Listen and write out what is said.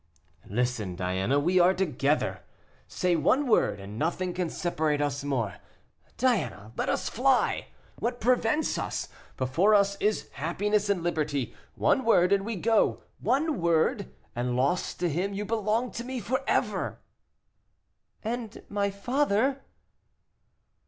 "Listen, Diana; we are together. Say one word, and nothing can separate us more; Diana, let us fly! What prevents us? Before us is happiness and liberty. One word, and we go; one word, and lost to him, you belong to me forever." "And my father?"